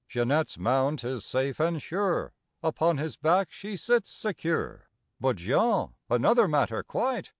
Jeanette's mount is safe and sure, Upon his back she sits secure. But Jean—another matter, quite!